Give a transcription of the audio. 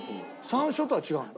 山椒とは違うの？